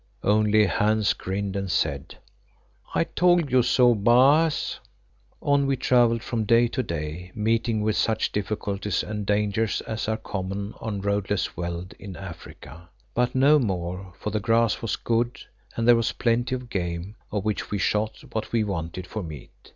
Only Hans grinned and said, "I told you so, Baas." On we travelled from day to day, meeting with such difficulties and dangers as are common on roadless veld in Africa, but no more, for the grass was good and there was plenty of game, of which we shot what we wanted for meat.